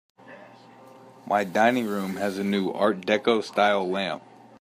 My dining room has a new art deco style lamp.